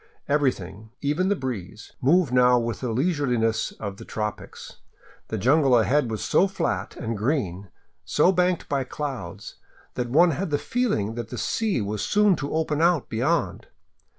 Everything, even the breeze, moved now with the leisureliness of the tropics. The jungle ahead was so flat and green, so banked by clouds, that one had the feeling that the sea was soon to open out beyond.